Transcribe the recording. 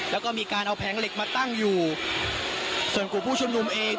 แล้วก็มีการเอาแผงเหล็กมาตั้งอยู่ส่วนกลุ่มผู้ชุมนุมเอง